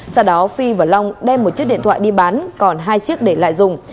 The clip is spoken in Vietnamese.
sau đó phi và long đem một chiếc điện thoại đi bán còn hai chiếc để lại dùng